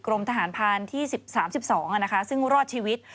กรมทหารพลานที่๓๒นะคะซึ่งรอดชีวิต